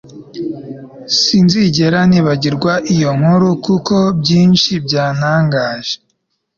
sinzigera nibagirwa iyo nkuru kuko byinshi byantangaje